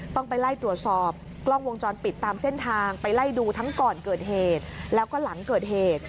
ต้องไปไล่ตรวจสอบกล้องวงจรปิดตามเส้นทางไปไล่ดูทั้งก่อนเกิดเหตุแล้วก็หลังเกิดเหตุ